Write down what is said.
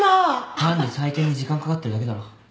単に採点に時間かかってるだけだろ。